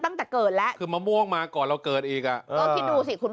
ตั้งแต่เกิดแล้วคือมะม่วงมาก่อนเราเกิดอีกอ่ะเออคิดดูสิคุณ